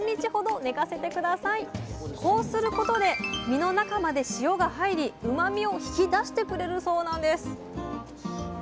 こうすることで身の中まで塩が入りうまみを引き出してくれるそうなんです